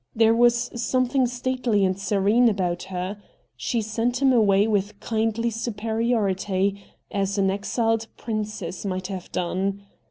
There was something stately and serene about her. She sent him away with kindly superiority, as an exiled princess might have done.